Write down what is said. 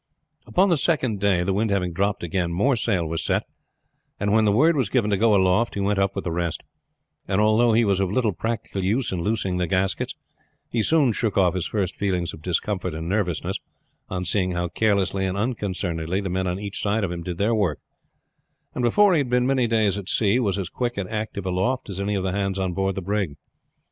Upon the second day, the wind having dropped again, more sail was set, and when the word was given to go aloft he went up with the rest; and although he was of little practical use in loosing the gaskets, he soon shook off his first feelings of discomfort and nervousness on seeing how carelessly and unconcernedly the men on each side of him did their work, and before he had been many days at sea was as quick and active aloft as any of the hands on board the brig.